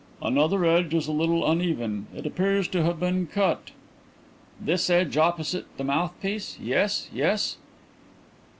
"Another edge is a little uneven; it appears to have been cut." "This edge opposite the mouthpiece. Yes, yes."